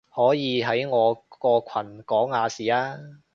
可以喺我個群講亞視啊